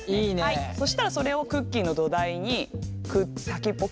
そしたらそれをクッキーの土台に先っぽくっつけて。